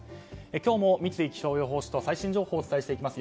今日も三井気象予報士と最新情報をお伝えしていきます。